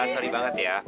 sorry banget ya